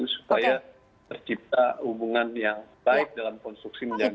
supaya tercipta hubungan yang baik dalam konstruksi menjaga